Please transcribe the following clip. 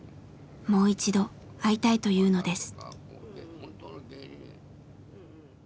もう一度会いたいというのです。